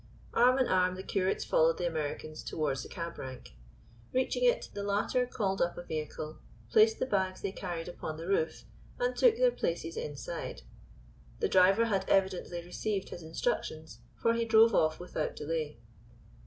Arm in arm the curates followed the Americans towards the cab rank. Reaching it, the latter called up a vehicle, placed the bags they carried upon the roof, and took their places inside. The driver had evidently received his instructions, for he drove off without delay.